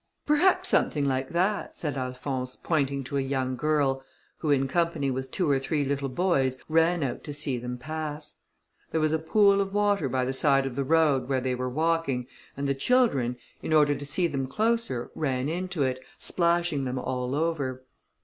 "Perhaps something like that," said Alphonse, pointing to a young girl, who, in company with two or three little boys, ran out to see them pass. There was a pool of water by the side of the road where they were walking, and the children, in order to see them closer, ran into it, splashing them all over.